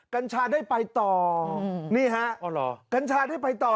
กัญชาได้ไปต่อนี่ฮะกัญชาได้ไปต่อ